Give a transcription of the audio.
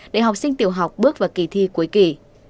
để học sinh tiểu học bước vào kỳ thi cuối kỳ